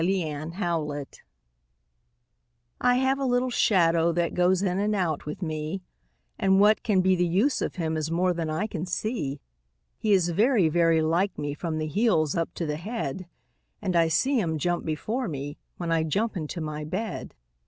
[Pg 20] MY SHADOW I have a little shadow that goes in and out with me, And what can be the use of him is more than I can see. He is very, very like me from the heels up to the head; And I see him jump before me, when I jump into my bed.